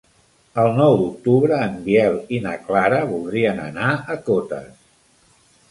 El nou d'octubre en Biel i na Clara voldrien anar a Cotes.